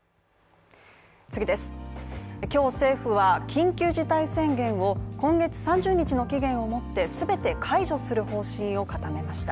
今日政府は緊急事態宣言を今月３０日の期限をもってすべて解除する方針を固めました。